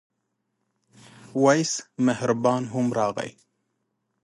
وېس مهربان هم راغی.